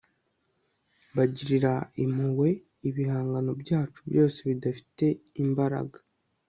bagirira impuhwe ibihangano byacu byose bidafite imbaraga